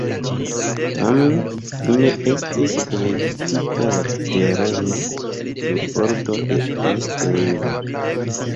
Tamen fine estis elektita la tereno sur bordo de East River.